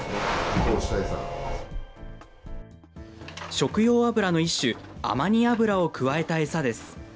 食用油の一種、アマニ油を加えた餌です。